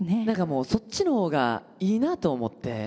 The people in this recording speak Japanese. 何かもうそっちの方がいいなと思って。